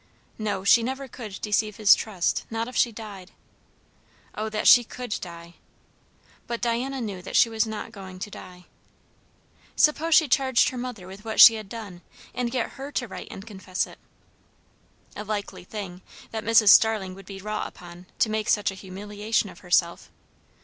No, she never could deceive his trust, not if she died. O that she could die! But Diana knew that she was not going to die. Suppose she charged her mother with what she had done, and get her to write and confess it? A likely thing, that Mrs. Starling would be wrought upon to make such a humiliation of herself!